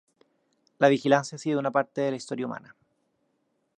La vigilancia ha sido una parte de la historia humana.